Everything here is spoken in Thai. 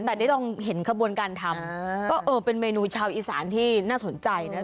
แต่ได้ลองเห็นขบวนการทำก็เออเป็นเมนูชาวอีสานที่น่าสนใจนะคะ